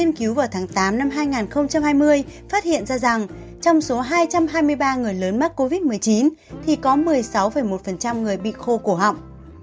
năm hai nghìn hai mươi phát hiện ra rằng trong số hai trăm hai mươi ba người lớn mắc covid một mươi chín thì có một mươi sáu một người bị khô cổ họng